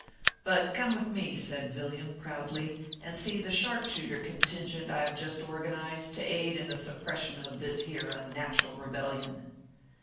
But come with me," said Villiam, proudly, " and see the sharp shooter contingent I have just organized to aid in the suppression of this here unnatural rebellion."